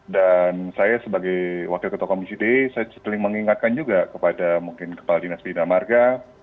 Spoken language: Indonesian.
dan saya sebagai wakil ketua komisi d saya sering mengingatkan juga kepada mungkin kepala dinas bina marga